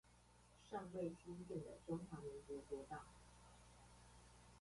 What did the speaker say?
尚未興建的中華民國國道